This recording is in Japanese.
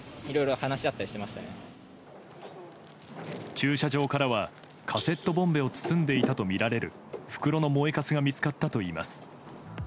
駐車場からはカセットボンベを包んでいたとみられる袋の燃えかすが見つかったといいます。